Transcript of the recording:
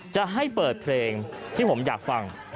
จะให้เปิดเพลงที่ผมอยากฟัง